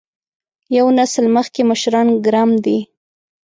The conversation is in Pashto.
یو نسل مخکې مشران ګرم دي.